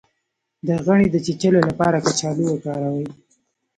د غڼې د چیچلو لپاره کچالو وکاروئ